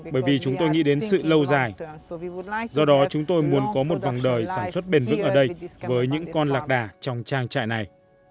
bởi vì chúng tôi nghĩ đến sự lâu dài do đó chúng tôi muốn có một vòng đời sản xuất bền vững ở đây với những con lạc đà trong trang trại này